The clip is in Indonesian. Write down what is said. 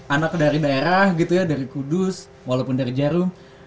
anak dari daerah gitu ya dari kudus walaupun dari jarum